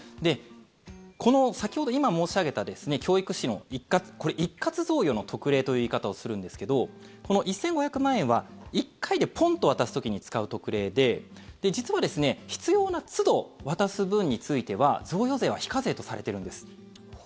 この、今申し上げた教育資のこれ、一括贈与の特例という言い方をするんですけどこの１５００万円は１回でポンと渡す時に使う特例で実はですね必要なつど渡す分については贈与税は非課税とされてるんです。